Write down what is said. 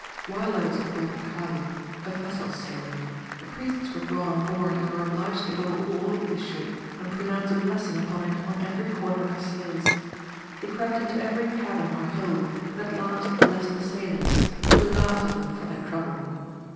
While I was at Redutkale a vessel sailed. The priests were brought on board, and were obliged to go all over the ship, and pronounce a blessing upon it on every corner of the sails. They crept into every cabin or hole, and at last blessed the sailors, who laughed at them for their trouble.